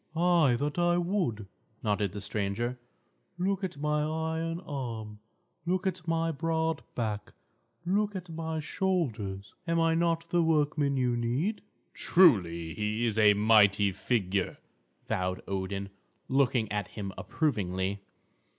"Ay, that I would," nodded the stranger, "Look at my iron arm; look at my broad back; look at my shoulders. Am I not the workman you need?" "Truly, he is a mighty figure," vowed Odin, looking at him approvingly.